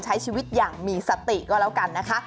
ใช้ชีวิตอย่างมีสติก็แล้วกันนะคะ